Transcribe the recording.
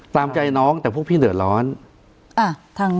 ตามใจน้องแต่พวกพี่เดือดร้อน